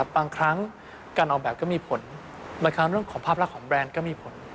บางครั้งการออกแบบก็มีผลบางครั้งเรื่องของภาพลักษณ์ของแบรนด์ก็มีผล